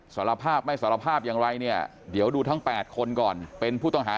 สารภาพไม่สารภาพอย่างไรเนี่ยเดี๋ยวดูทั้ง๘คนก่อนเป็นผู้ต้องหา